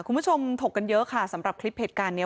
คุณผู้ชมถกกันเยอะค่ะสำหรับคลิปเหตุการณ์นี้